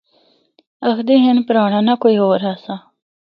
آخدے ہن پرانڑا ناں کوئی ہور آسا۔